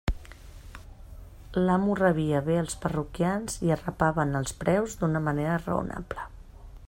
L'amo rebia bé els parroquians i arrapava en els preus d'una manera raonable.